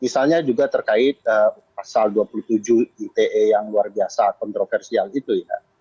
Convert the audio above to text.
misalnya juga terkait pasal dua puluh tujuh ite yang luar biasa kontroversial itu ya